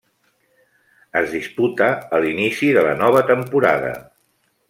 Es disputa a l'inici de la nova temporada.